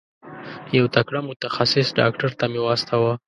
یو تکړه متخصص ډاکټر ته مي واستوه.